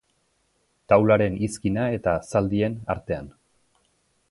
Taularen izkina eta zaldien artean.